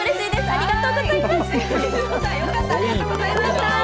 ありがとうございます。